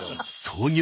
創業